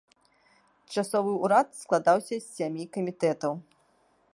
Часовы ўрад складаўся з сямі камітэтаў.